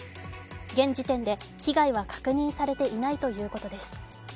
現時点で被害は確認されていないということです。